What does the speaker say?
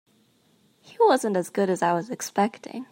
He wasn't as good as I was expecting.